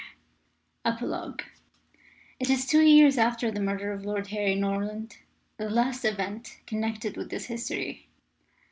EPILOGUE IT is two years after the murder of Lord Harry Norland, the last event connected with this history.